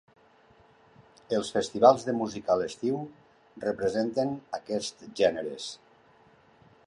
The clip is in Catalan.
Els festivals de música a l'estiu representen aquests gèneres.